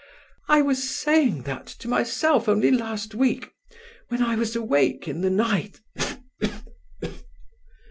I was saying that to myself only last week, when I was awake in the night.